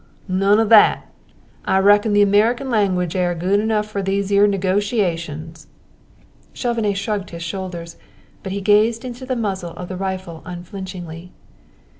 "None o' that! I reckon the American language air good enough for these 'ere negotiations." Chauvenet shrugged his shoulders; but he gazed into the muzzle of the rifle unflinchingly.